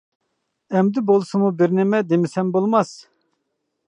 ئەمدى بولسىمۇ بىر نېمە دېمىسەم بولماس.